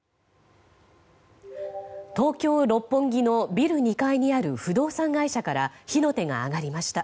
東京・六本木のビル２階にある不動産会社から火の手が上がりました。